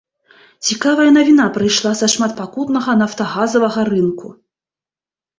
Цікавая навіна прыйшла са шматпакутнага нафтагазавага рынку.